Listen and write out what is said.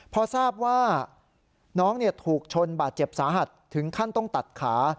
พอทราบว่าน้องถูกชนบาดเจ็บสาหัสถึงขั้นต้องตัดขา